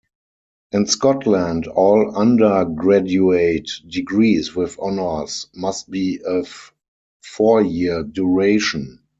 In Scotland, all undergraduate degrees with Honours must be of four-year duration.